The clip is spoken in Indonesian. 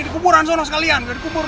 di kuburan sana sekalian gak dikubur lo